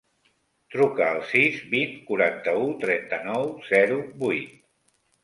Truca al sis, vint, quaranta-u, trenta-nou, zero, vuit.